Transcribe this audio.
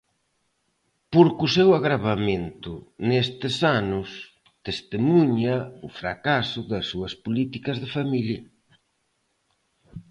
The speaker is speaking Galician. Porque o seu agravamento nestes anos testemuña o fracaso das súas políticas de familia.